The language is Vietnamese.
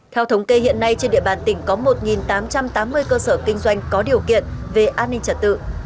theo thống kê hiện nay trên địa bàn tỉnh có một tám trăm tám mươi cơ sở kinh doanh có điều kiện về an ninh trật tự